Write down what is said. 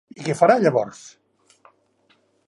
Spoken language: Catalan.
I què farà llavors?